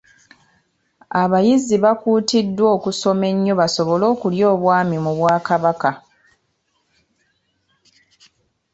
Abayizi bakuutiddwa okusoma ennyo basobole okulya Obwami mu Bwakabaka.